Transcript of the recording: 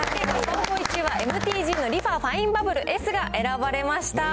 総合１位はＭＴＧのリファファインバブルＳが選ばれました。